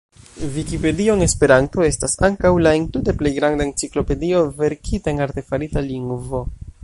Vikipedio en Esperanto estas ankaŭ la entute plej granda enciklopedio verkita en artefarita lingvo.